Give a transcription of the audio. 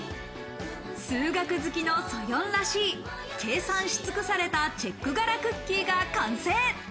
数学好きのＳｏｙｏｎらしい、計算し尽くされたチェック柄クッキーが完成。